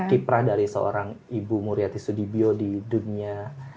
kiprah dari seorang ibu muriati sudibyo di dunia